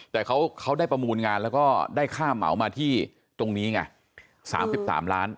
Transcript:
แต่เขาได้ประมูลงานแล้วก็ได้ค่าเหมามาที่ตรงนี้ไง๓๓ล้าน